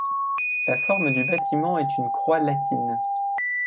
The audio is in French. La forme du bâtiment est une croix latine.